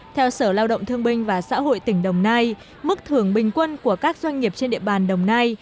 theo sở lao động thương binh và xã hội tỉnh đồng nai mức thưởng bình quân của các doanh nghiệp trên địa bàn đồng nai